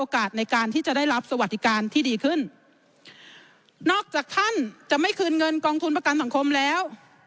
การที่ดีขึ้นนอกจากท่านจะไม่คืนเงินกองทุนประกันสังคมแล้ว